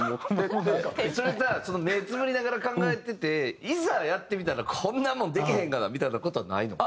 それじゃあ目つぶりながら考えてていざやってみたらこんなもんできへんがなみたいな事はないの？